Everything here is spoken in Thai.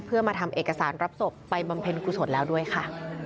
เพื่อมาทำเอกสารรับศพไปบำเพ็ญกุศลแล้วด้วยค่ะ